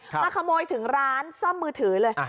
มาขโมยถึงร้านซ่อมมือถือเลย